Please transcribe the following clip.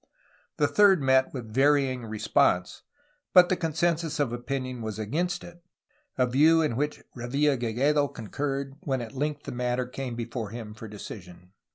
The third met with varying response, but the consensus of opinion was against it, a view in which Revilla Gigedo con curred when at length the matter came before him for decision.